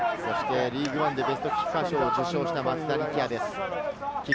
ベストキッカー賞を受賞した松田力也です。